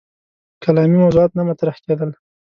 کلامي موضوعات نه مطرح کېدل.